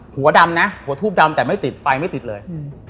หัวดำนะหัวทูบดำแต่ไม่ติดไฟไม่ติดเลย